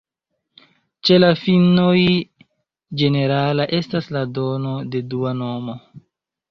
Ĉe la finnoj ĝenerala estas la dono de dua nomo.